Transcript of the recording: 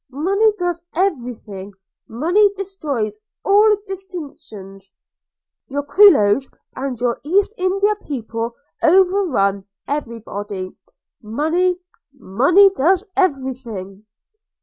Money does every thing – money destroys all distinctions! – Your Creoles and your East India people over run every body – Money, money does every thing.'